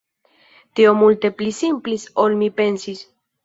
Tio multe pli simplis ol mi pensis.